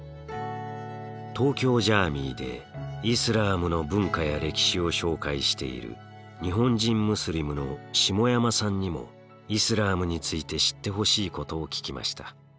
東京ジャーミイでイスラームの文化や歴史を紹介している日本人ムスリムの下山さんにもイスラームについて知ってほしいことを聞きました。